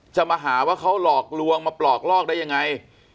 จะมาหาว่าเขาหลอกลวงมาปลอกลอกได้ยังไง